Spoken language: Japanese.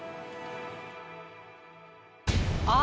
あ！